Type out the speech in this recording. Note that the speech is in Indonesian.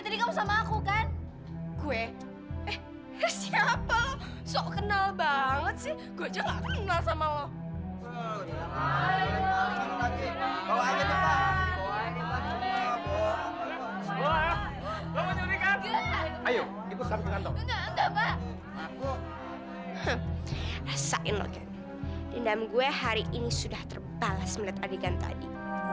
rasain lo kan dendam gue hari ini sudah terbalas melihat adegan tadi